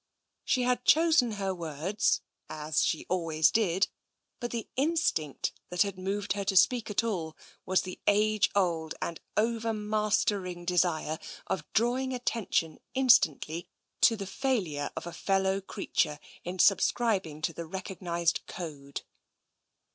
She had chosen her words — as she always did — but the instinct that had moved her to speak at all was the age old and overmastering desire of drawing attention in stantly to the failure of a fellow creature in subscrib ing to the recognised code.